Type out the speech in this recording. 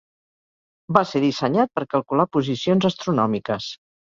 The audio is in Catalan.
Va ser dissenyat per calcular posicions astronòmiques.